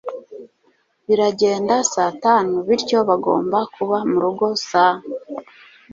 baragenda saa tanu, bityo bagomba kuba murugo saa